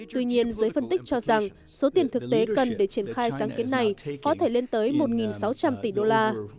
tuy nhiên giới phân tích cho rằng số tiền thực tế cần để triển khai sáng kiến này có thể lên tới một sáu trăm linh tỷ đô la